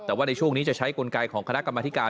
แต่ว่าในช่วงนี้จะใช้กลไกของคณะกรรมธิการ